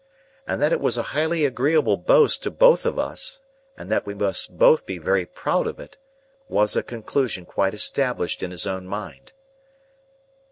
And that it was a highly agreeable boast to both of us, and that we must both be very proud of it, was a conclusion quite established in his own mind.